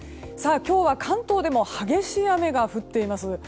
今日は関東でも激しい雨が降っています。